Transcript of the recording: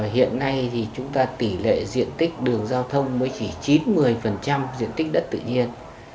hiện nay thì chúng ta tỷ lệ diện tích đường giao thông mới chỉ chín một mươi diện tích đất tự nhiên